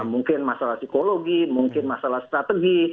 mungkin masalah psikologi mungkin masalah strategi